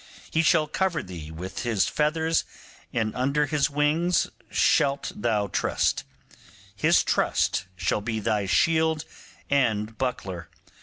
He shall cover thee with His feathers, and under His wings shalt thou trust: His truth shall be thy shield and buckler.